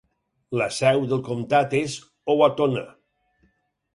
La seu del comtat és Owatonna.